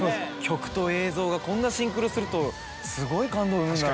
曲と映像がこんなシンクロするとすごい感動を生むんだなと。